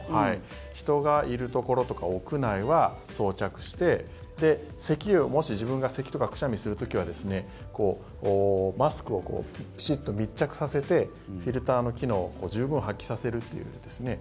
人がいるところとか屋内は装着してせき、もし自分がせきとかくしゃみをする時はマスクをピチッと密着させてフィルターの機能を十分発揮させると。